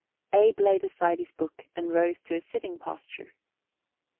Abe laid aside his book and rose to a sitting posture.